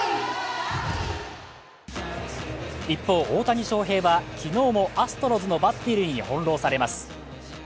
一方、大谷翔平は昨日もアストロズのバッテリーに翻弄されます。